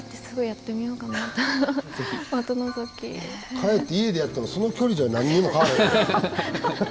帰って家でやってもその距離じゃ何にも変わらへん。